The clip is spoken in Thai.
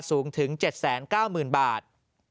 สูงถึง๗๙๐๐๐บาท